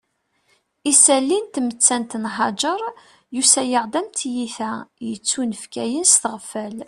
Isalli n tmettant n Haǧer yusa-aɣ-d am tiyita yettunefkayen s tɣeffal